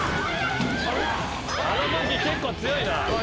あの武器結構強いな。